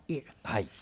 はい。